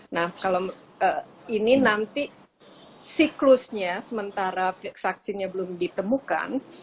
nah kalau ini nanti siklusnya sementara vaksinnya belum ditemukan